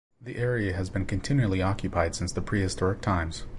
The area has been continually occupied since the prehistoric times.